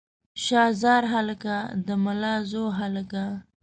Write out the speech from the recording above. شاه زار هلکه د ملازو هلکه.